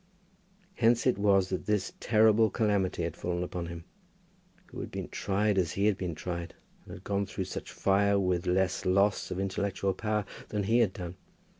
Hence it was that this terrible calamity had fallen upon him! Who had been tried as he had been tried, and had gone through such fire with less loss of intellectual power than he had done?